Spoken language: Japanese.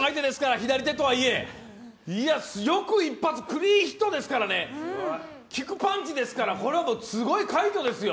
左手とはいえ、よく一発、クリーンヒットですからね効くパンチですからこれは快挙ですよ。